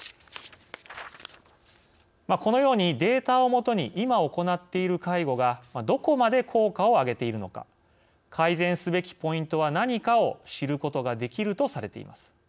このようにデータを基に今、行っている介護がどこまで効果を上げているのか改善すべきポイントは何かを知ることができるとされています。